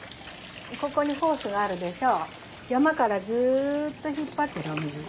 ここにホースがあるでしょ。